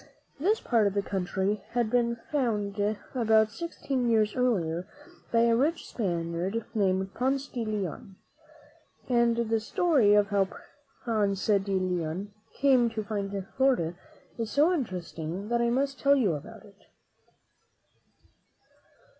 This part of the country had been found about sixteen years earlier by a rich Spaniard named Ponce de Leon; and the story of how Ponce de Leon came to find Florida is so interesting that I must tell you about it.